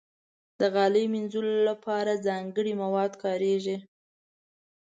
د غالۍ مینځلو لپاره ځانګړي مواد کارېږي.